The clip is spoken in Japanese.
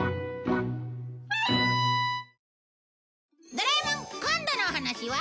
『ドラえもん』今度のお話は？